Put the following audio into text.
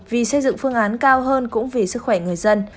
vì xây dựng phương án cao hơn cũng vì sức khỏe người dân